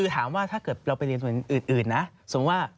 ถ้าเกิดเราไปเรียนส่วนอื่นนะ